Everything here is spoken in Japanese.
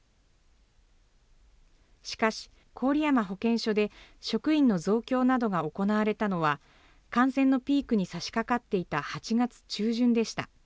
しかし、郡山保健所で職員の増強などが行われたのは、感染のピークに差しかかっていた８月中旬でした。